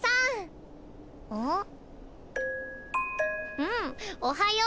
うん「おはよう」だね。